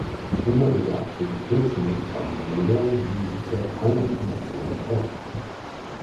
Über ihre Aktivitätsmuster und Ernährung liegen bisher keine Informationen vor.